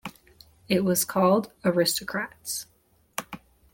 It was called "Aristocrats".